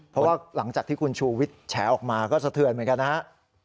เพราะว่าหลังจากที่คุณชูวิทย์แฉออกมาก็สะเทือนเหมือนกันนะครับ